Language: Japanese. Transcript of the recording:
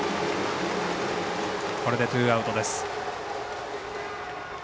これでツーアウトです。